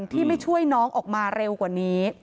ที่ไม่ช่วยน้องออกมาเร็วกว่านี้